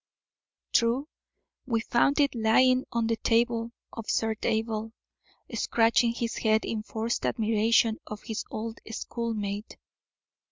"True, we found it lying on the table," observed Abel, scratching his head in forced admiration of his old schoolmate.